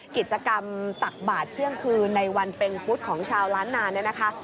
กิจกรรมตักบาทเที่ยงคืนในวันเป็งพุธของชาวล้านนาเนี่ยนะคะ